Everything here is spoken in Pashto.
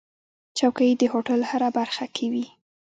چوکۍ د هوټل هره برخه کې وي.